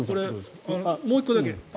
もう１個だけ。